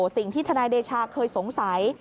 สิ่งที่ทนายเดชาเคยสงสัย